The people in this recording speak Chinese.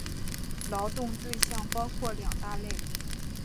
劳动对象包括两大类。